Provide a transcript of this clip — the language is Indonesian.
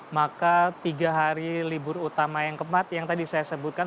maka tiga hari libur utama yang kemat yang tadi saya sebutkan